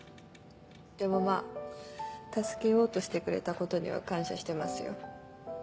でもまぁ助けようとしてくれたことには感謝してますよ。